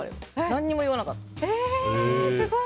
何も言わなかった。